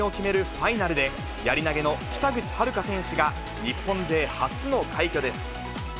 ファイナルで、やり投げの北口榛花選手が日本勢初の快挙です。